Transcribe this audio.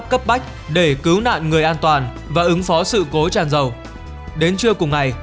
có các biện pháp cấp bách để cứu nạn người an toàn và ứng phó sự cố tràn dầu đến trưa cùng ngày